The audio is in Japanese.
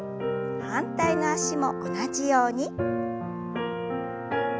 反対の脚も同じように。